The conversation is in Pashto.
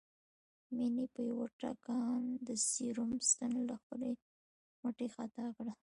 مينې په يوه ټکان د سيروم ستن له خپلې مټې خطا کړه